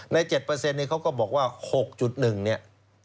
ใน๗เขาก็บอกว่า๖๑เนี่ย